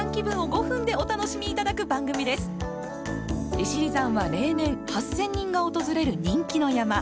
利尻山は例年８，０００人が訪れる人気の山。